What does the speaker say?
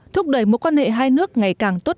thúc đẩy mối quan hệ hai nước ngày càng tốt